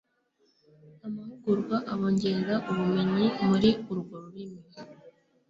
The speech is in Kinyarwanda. amahugurwa abongerera ubumenyi muri urwo rurimi.